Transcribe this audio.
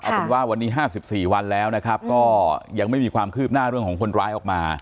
เอาเป็นว่าวันนี้๕๔วันแล้วนะครับก็ยังไม่มีความคืบหน้าเรื่องของคนร้ายออกมา